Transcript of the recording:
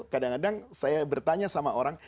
kadang kadang saya bertanya sama orang